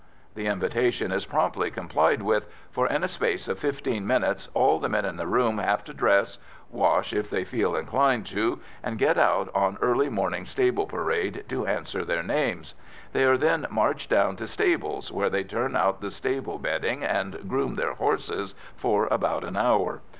The invitation is promptly complied with, for in a space of fifteen minutes all the men in the room have to dress, wash if they feel inclined to, and get out on early morning stable parade to answer their names. They are then marched down to stables, where they turn out the stable bedding and groom their horses for about an hour.